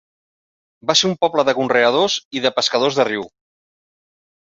Va ser un poble de conreadors i de pescadors de riu.